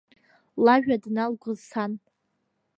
Лажәа даналгоз сан…